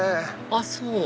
あっそう